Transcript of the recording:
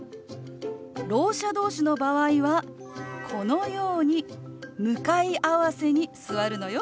ろう者同士の場合はこのように向かい合わせに座るのよ。